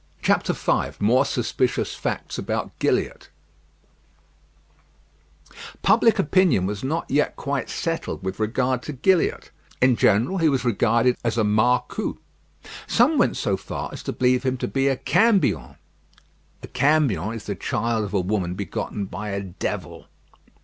V MORE SUSPICIOUS FACTS ABOUT GILLIATT Public opinion was not yet quite settled with regard to Gilliatt. In general he was regarded as a Marcou: some went so far as to believe him to be a Cambion. A cambion is the child of a woman begotten by a devil.